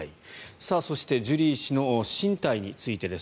そしてジュリー氏の進退についてです。